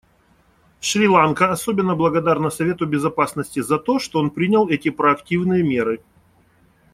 Шри-Ланка особенно благодарна Совету Безопасности за то, что он принял эти проактивные меры.